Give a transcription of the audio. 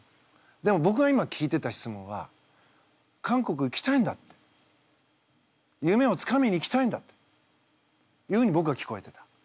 でもぼくが今聞いてた質問は韓国行きたいんだって夢をつかみにいきたいんだっていうふうにぼくは聞こえてた。